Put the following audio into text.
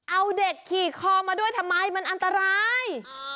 เอาเด็กขี่คอมาด้วยทำไมมันอันตราย